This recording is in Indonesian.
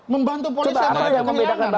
membantu polisi apa yang kehilangan